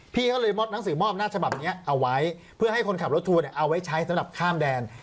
พี่ก็เลยมอบหนังสือมอบหน้าฉบับนี้เอาไว้เพื่อให้คนขับรถทัวร์เอาไว้ใช้สำหรับข้ามแดน